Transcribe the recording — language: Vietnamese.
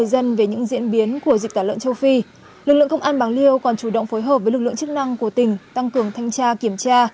trên những diễn biến bất thường của dịch tả lợn các ngành chức năng của tỉnh tăng cường thanh tra kiểm tra